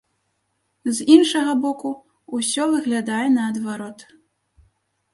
З іншага боку, усё выглядае наадварот.